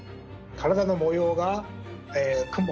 体の模様が雲。